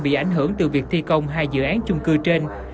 bị ảnh hưởng từ việc thi công hai dự án chung cư trên